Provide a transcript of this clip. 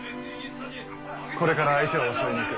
これから相手を襲いに行く。